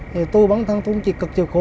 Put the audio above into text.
thì tôi bản thân tôi cũng chịu cực chịu khổ